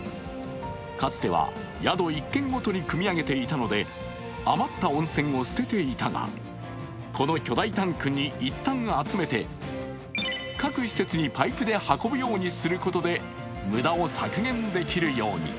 かつては宿１軒ごとにくみ上げていたので余った温泉を捨てていたが、この巨大タンクに一旦集めて、各施設にパイプで運ぶようにすることで無駄を削減することに。